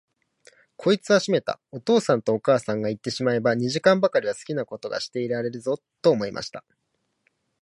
こいつはしめた、お父さんとお母さんがいってしまえば、二時間ばかりは好きなことがしていられるぞ、と思いました。